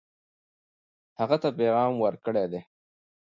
هغه ته پیغام ورکړی دی.